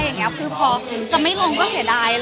อยู่พอก็ไม่ลงก็เสียดาย